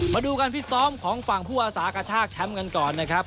มาดูการพิซ้อมของฝั่งผู้อาสากระชากแชมป์กันก่อนนะครับ